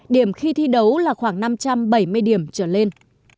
điểm khi thi đấu là khoảng năm trăm bảy mươi điểm trở lên